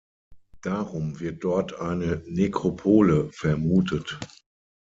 Darum wird dort eine Nekropole vermutet.